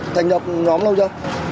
thành nhập nhóm lâu chưa